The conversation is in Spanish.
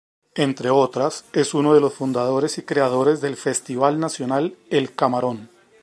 Entre otras, es uno de los fundadores y creadores del Festival Nacional El Camarón.